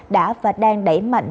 đã và đang đẩy mạnh